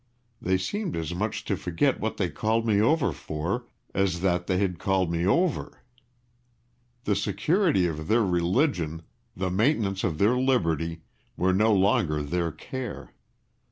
They seemed as much to forget what they called me over for as that they had called me over. The security of their religion, the maintenance of their liberty, were no longer their care.